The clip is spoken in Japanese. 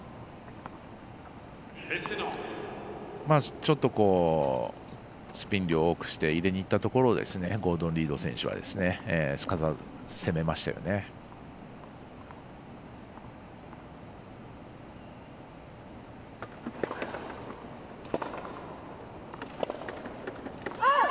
ちょっとスピン量を多くして入れにいったところをゴードン・リード選手はすかさず攻めましたよね。